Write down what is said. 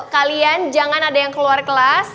kalian jangan ada yang keluar kelas